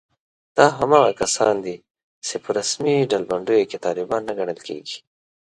دا هماغه کسان دي چې په رسمي ډلبندیو کې طالبان نه ګڼل کېږي